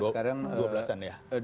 sekarang dua belas an ya